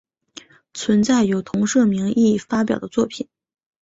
存在有同社名义发表的作品。